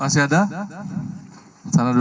mengakui sangkaan itu kepada pendidik atau tidak